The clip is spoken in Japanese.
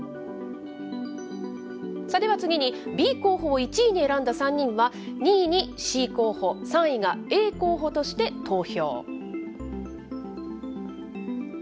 では次に、Ｂ候補を１位に選んだ３人は、２位にＣ候補、３位がＡ候補として投票。